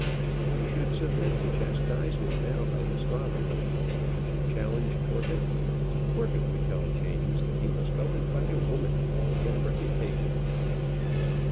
If he should submit to chastisement now by his father, and should challenge Corbett, Corbett would tell James that he must go and fight a woman and get a reputation.